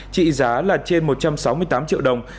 trị giá là trên một trăm sáu mươi tám triệu đồng